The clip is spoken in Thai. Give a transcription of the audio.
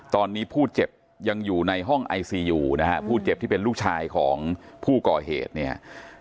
ตอนนี้ผู้เจ็บยังอยู่ในห้องไอซียูนะฮะผู้เจ็บที่เป็นลูกชายของผู้ก่อเหตุเนี่ย